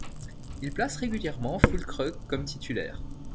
Il place régulièrement Füllkrug comme titulaire.